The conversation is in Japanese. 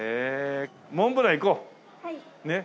モンブランいこうねっ。